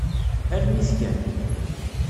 Arem-it kan.